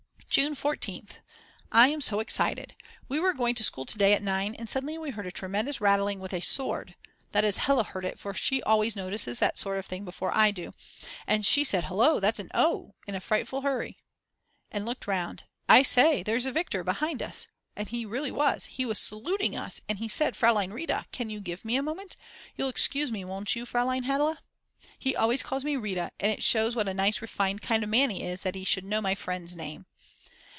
June 14th. I am so excited. We were going to school to day at 9 and suddenly we heard a tremendous rattling with a sword; that is Hella heard it, for she always notices that sort of thing before I do, and she said: "Hullo, that's an o in a frightful hurry," and looked round; "I say, there's Viktor behind us" and he really was, he was saluting us and he said: Fraulein Rita, can you give me a moment; you'll excuse me won't you, Fraulein Hella? He always calls me Rita, and it shows what a nice refined kind of a man he is that he should know my friend's name.